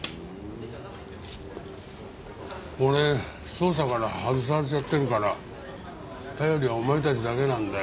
俺捜査から外されちゃってるから頼りはお前たちだけなんだよ。